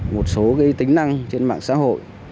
một số tính năng trên mạng xã hội